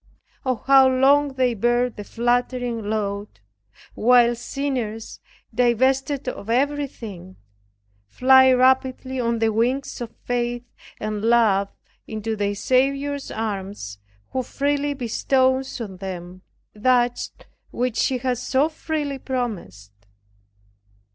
Oh, how long they bear the flattering load, while sinners divested of everything, fly rapidly on the wings of faith and love into their Saviour's arms, who freely bestows on them that which he has so freely promised!